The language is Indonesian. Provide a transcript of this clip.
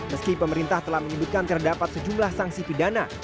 meski pemerintah telah menyebutkan terdapat sejumlah sanksi pidana